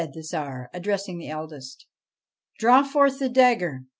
Then said the Tsar, addressing the eldest :' Draw forth the dagger